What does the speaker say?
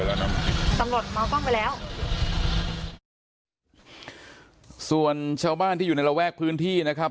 บอกว่าเมื่อคืนนี้ก็ได้ยินเสียงดังอะไรโวยวายบ้างครับ